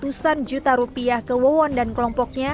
hanya setelah mengirim uang ratusan juta rupiah ke wawon dan kelompoknya